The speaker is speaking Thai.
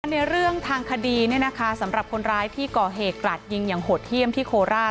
ในเรื่องทางคดีสำหรับคนร้ายที่ก่อเหตุกราดยิงอย่างโหดเยี่ยมที่โคราช